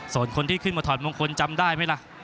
ส่วนคนที่ขึ้นมาถอดมงคลจำได้ไหมล่ะ